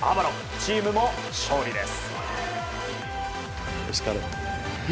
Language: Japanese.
チームも勝利です。